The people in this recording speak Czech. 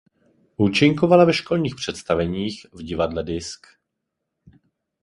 Účinkovala ve školních představeních v Divadle Disk.